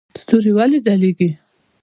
ستوري ولې ځلیږي؟